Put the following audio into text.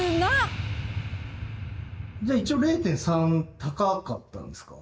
じゃあ一応０．３高かったんですか？